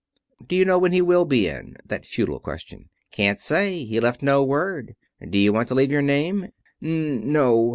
"Do you know when he will be in?" That futile question. "Can't say. He left no word. Do you want to leave your name?" "N no.